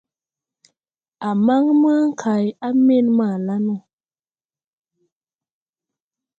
A man maa kay, a men maa la no.